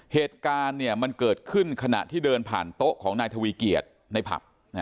เหตุการณ์มันเกิดขึ้นขณะที่เดินผ่านโต๊ะของนายทวีเกียจในผับ